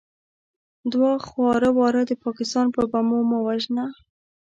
دا خواره واره د پاکستان په بمو مه وژنه!